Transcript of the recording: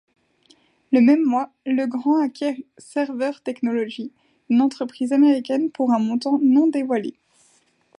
Le même mois, Legrand acquiert Server Technology, une entreprise américaine pour un montant non-dévoilé.